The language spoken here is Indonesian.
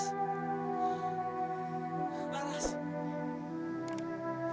saya sebenarnya percaya sama abang